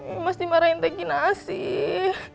imas dimarahin teh kena asih